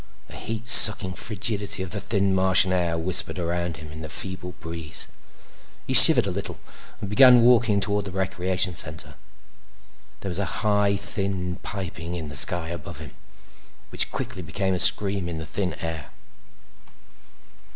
The heat sucking frigidity of the thin Martian air whispered around him in a feeble breeze. He shivered a little and began walking toward the recreation center. There was a high, thin piping in the sky above him which quickly became a scream in the thin air.